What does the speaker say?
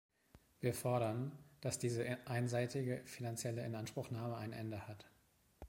Wir fordern, dass diese einseitige finanzielle Inanspruchnahme ein Ende hat.